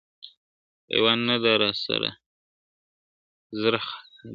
یوه نه ده را سره زر خاطرې دي `